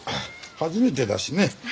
初めてだしね。